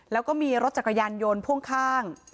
แล้วก็มีรถจักรยานยนต์พ่วงข้าง